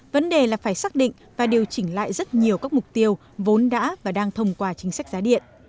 vấn đề là phải xác định và điều chỉnh lại rất nhiều các mục tiêu vốn đã và đang thông qua chính sách giá điện